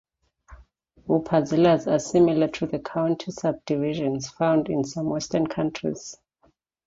Upazilas are similar to the county subdivisions found in some Western countries.